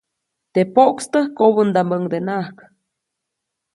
Teʼ poʼkstäk kobändaʼmbäʼuŋdenaʼak.